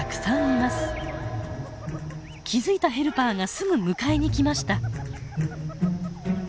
気付いたヘルパーがすぐ迎えに来ました。